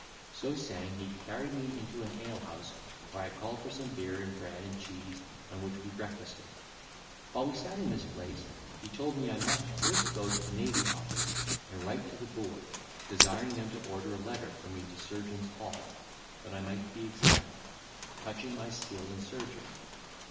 So Saying, he carried me into an ale house, where I called for some beer, and bread and cheese, on which we breakfasted. While we sat in this place, he told me I must first go to the Navy Office, and write to the Board, desiring them to order a letter for me to Surgeon's Hall, that I might be examined, touching my skill in surgery.